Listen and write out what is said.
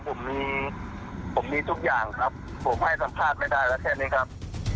ผมมีผมมีทุกอย่างครับผมให้สัมภาษณ์ไม่ได้แล้วแค่นี้ครับ